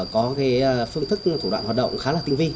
có phương thức thủ đoạn hoạt động khá là tinh vi